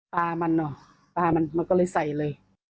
ปลามันเนอะปลามันก็เลยใส่เลย